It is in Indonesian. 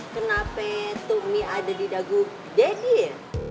kenapa itu mie ada di dagu deddy ya